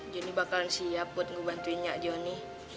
joni bakal siap buat ngebantuinnya johnny